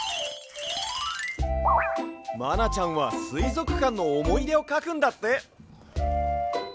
まなちゃんはすいぞくかんのおもいでをかくんだって！